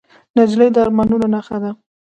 نجلۍ د ارمانونو نښه ده.